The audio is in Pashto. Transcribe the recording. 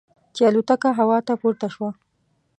چې الوتکه هوا ته پورته شوه.